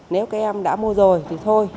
nếu các em đã mua rồi thì thôi